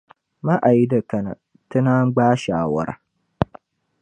Ma ayi di kana, ti naa gbaai shaawara.